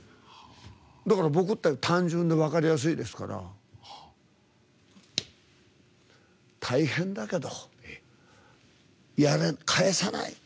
だから僕って単純で分かりやすいですから大変だけど返さない？